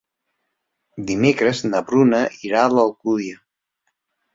Dimecres na Bruna irà a l'Alcúdia.